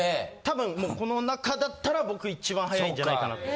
たぶんこの中だったら、僕一番速いんじゃないかな。